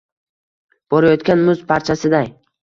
borayotgan muz parchasiday